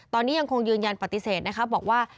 ตอนนี้ยังคงยืนยันปฏิเสธนะคะบอกว่า